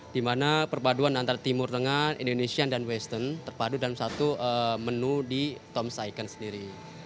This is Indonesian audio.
di mana perpaduan antara timur tengah indonesian dan western terpadu dalam satu menu di tom s icon sendiri